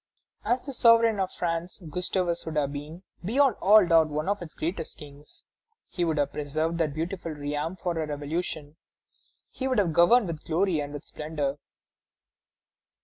"As the sovereign of France, Gustavus would have been, beyond all doubt, one of its greatest kings. He would have preserved that beautiful realm from a revolution; he would have governed with glory and with splendor....